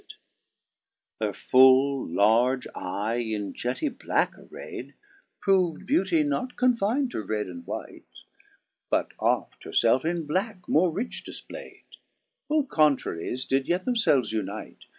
4 Her full large eye, in jetty blacke array 'd, Prov'd beauty not confin'd to red and white. But oft her felfe in blacke more rich difplay'd ; Both contraries did yet themfelvcs unite.